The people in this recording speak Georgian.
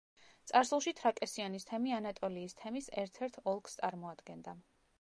წარსულში თრაკესიონის თემი ანატოლიის თემის ერთ-ერთ ოლქს წარმოადგენდა.